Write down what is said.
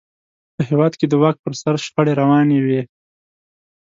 په هېواد کې د واک پر سر شخړې روانې وې.